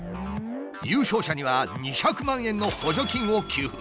優勝者には２００万円の補助金を給付。